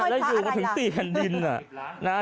แล้วอยู่กับถึงสี่กันดินอ่ะ